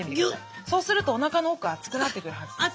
そうするとおなかの奥熱くなってくるはずです。